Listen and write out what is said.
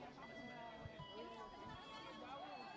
pak ada rencana silat